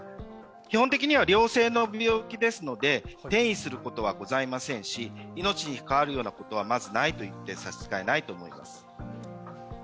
基本的には良性の病気ですので転移することはございませんし命にかかわるようなことはまずないと言って差し支えないと思います。